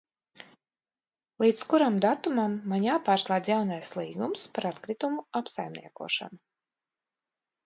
Līdz kuram datumam man jāpārslēdz jaunais līgums par atkritumu apsaimniekošanu?